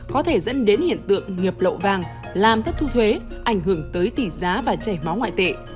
có thể dẫn đến hiện tượng nghiệp lộ vàng làm thất thu thuế ảnh hưởng tới tỉ giá và chảy máu ngoại tệ